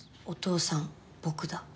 お父さん僕だ？